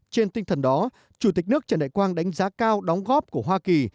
trên tinh thần đó chủ tịch nước trần đại quang đánh giá cao đóng góp của hoa kỳ